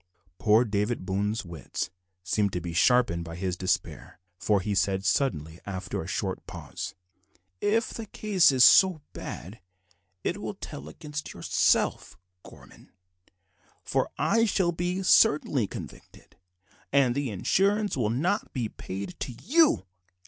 Poor David Boone's wits seemed to be sharpened by his despair, for he said suddenly, after a short pause "If the case is so bad it will tell against yourself, Gorman, for I shall be certainly convicted, and the insurance will not be paid to you."